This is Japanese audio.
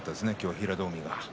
平戸海は。